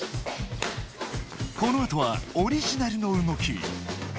このあとは「オリジナルの動き」。